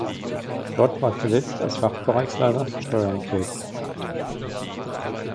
Dort war zuletzt als Fachbereichsleiter Steuern tätig.